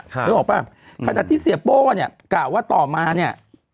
นึกออกป่ะขนาดที่เสียโป้เนี่ยกล่าวว่าต่อมาเนี่ย